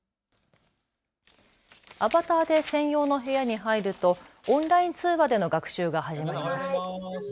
アバターで専用の部屋に入るとオンライン通話での学習が始まります。